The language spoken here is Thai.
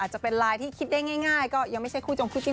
จะเป็นไลน์ที่คิดได้ง่ายก็ยังไม่ใช่คู่จงคู่จิ้น